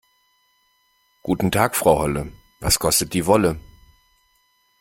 Guten Tag Frau Holle, was kostet die Wolle?